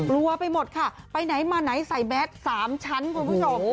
ไปหมดค่ะไปไหนมาไหนใส่แดด๓ชั้นคุณผู้ชม